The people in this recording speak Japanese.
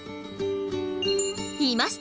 いました！